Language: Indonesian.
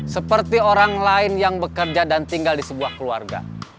seperti orang lain yang bekerja dan tinggal di sebuah keluarga